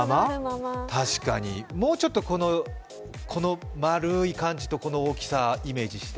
もうちょっと丸い感じとこの大きさ、イメージして。